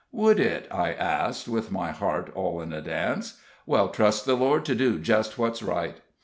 "Would it?" I asked, with my heart all in a dance. "Well, trust the Lord to do just what's right."